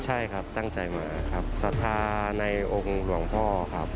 ใช่ครับตั้งใจมาครับศรัทธาในองค์หลวงพ่อครับ